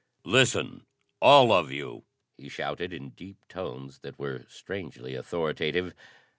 "Listen, all of you!" he shouted in deep tones that were strangely authoritative.